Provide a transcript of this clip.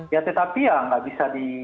ya tetapi ya nggak bisa di